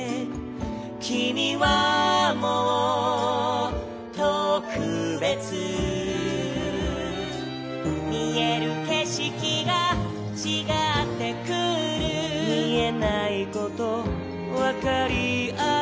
「きみはもう『とくべつ』」「みえるけしきがちがってくる」「みえないことわかりあえる」